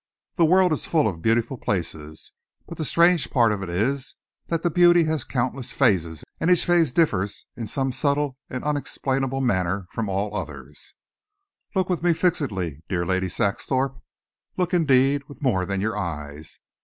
The world is full of beautiful places, but the strange part of it is that beauty has countless phases, and each phase differs in some subtle and unexplainable manner from all others. Look with me fixedly, dear Lady Saxthorpe. Look, indeed, with more than your eyes.